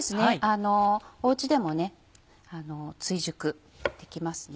おうちでも追熟できますね。